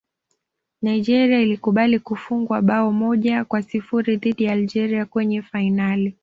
nigeria ilikubali kufungwa bao moja kwa sifuri dhidi ya algeria kwenye fainali